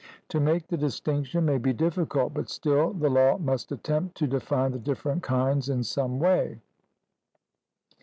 To make the distinction may be difficult; but still the law must attempt to define the different kinds in some way.